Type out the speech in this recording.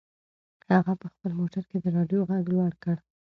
هغه په خپل موټر کې د رادیو غږ لوړ کړ.